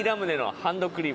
ハンドクリーム？